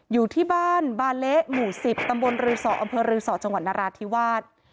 อยู่ที่บ้านบาเละหมู่๑๐ตำบลรือสออำเภอรือสอจังหวัดนราธิวาส